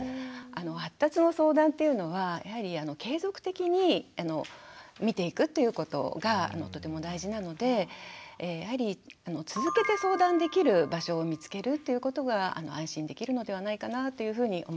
発達の相談っていうのはやはり継続的に見ていくっていうことがとても大事なのでやはり続けて相談できる場所を見つけるっていうことが安心できるのではないかなというふうに思います。